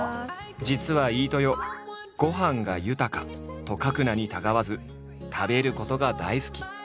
実は飯豊と書く名にたがわず食べることが大好き。